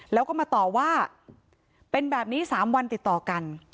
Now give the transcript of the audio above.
แล้วก็มาต่อว่าเป็นแบบนี้๓วันติดต่อกัน